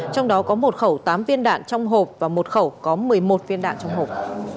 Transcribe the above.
trong đó có một khẩu tám viên đạn trong hộp và một khẩu có một mươi một viên đạn trong hộp